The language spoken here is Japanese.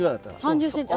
３０ｃｍ。